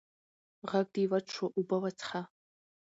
غږ دې وچ شو اوبه وڅښه!